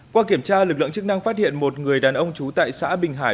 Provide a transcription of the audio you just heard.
qua kiểm tra lực lượng chức năng phát hiện một người đàn ông trú tại xã bình hải